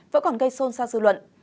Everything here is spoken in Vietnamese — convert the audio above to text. vẫn còn gây xôn xa dư luận